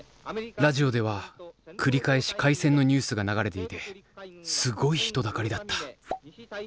ラジオでは繰り返し開戦のニュースが流れていてすごい人だかりだった。